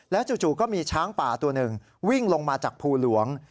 จู่ก็มีช้างป่าตัวหนึ่งวิ่งลงมาจากภูหลวง